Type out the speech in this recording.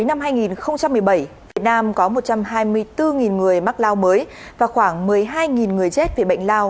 năm hai nghìn một mươi bảy việt nam có một trăm hai mươi bốn người mắc lao mới và khoảng một mươi hai người chết vì bệnh lao